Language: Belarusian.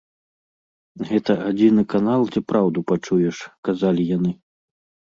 Гэта адзіны канал, дзе праўду пачуеш, казалі яны.